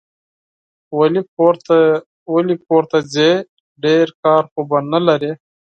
ولي کورته ځې ؟ ډېر کار خو به نه لرې